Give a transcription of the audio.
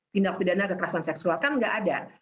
tindak pidana kekerasan seksual kan nggak ada